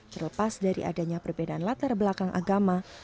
terlepas dari adanya perbedaan latar belakang agama